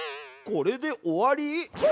これで終わり？